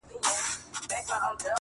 رسنۍ راپورونه جوړوي او خلک پرې خبري کوي,